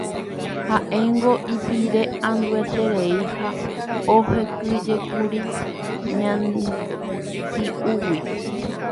Ha'éngo ipire'andueterei ha ohekýijekuri ñati'ũgui.